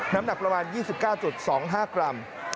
น้ำหนักประมาณ๒๙๒๕กรัม